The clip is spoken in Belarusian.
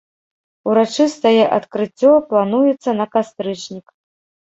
Урачыстае адкрыццё плануецца на кастрычнік.